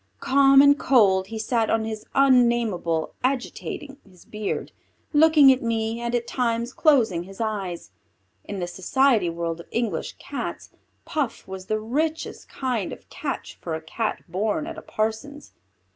Calm and cold he sat on his unnamable, agitating his beard, looking at me and at times closing his eyes. In the society world of English Cats, Puff was the richest kind of catch for a Cat born at a parson's.